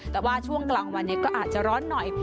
แต่ว่าช่วงกลางวันนี้ก็อาจจะร้อนหน่อย